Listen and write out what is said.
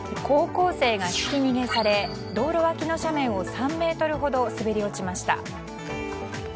高校生がひき逃げされ道路脇の斜面を３ｍほど滑り落ちました。